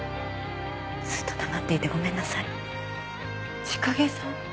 ずっと黙っていてごめんなさ千景さん？